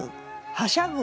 はしゃぐ